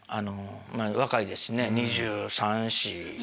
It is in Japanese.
若いですしね２３２４。